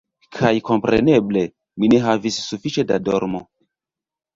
Kaj kompreneble, mi ne havis sufiĉe da dormo.